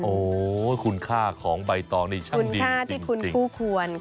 โอ้โหคุณค่าของใบตองนี่ช่างดินจริงคุณค่าที่คุณคู่ควรค่ะ